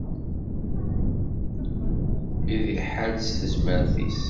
I d-iḥal s tezmert-is.